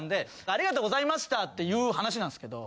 ありがとうございましたっていう話なんですけど。